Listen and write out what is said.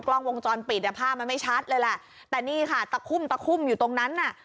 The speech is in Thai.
กล้องวงจรปิดอ่ะภาพมันไม่ชัดเลยแหละแต่นี่ค่ะตะคุ่มตะคุ่มอยู่ตรงนั้นน่ะ